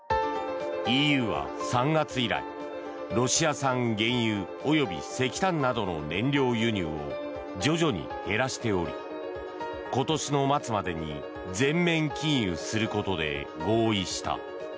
ＥＵは３月以来ロシア産原油及び石炭などの燃料輸入を徐々に減らしており今年の末までに全面禁輸することで合意した。